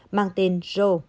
mang tên rho